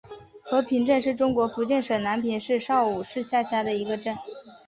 和平镇是中国福建省南平市邵武市下辖的一个镇。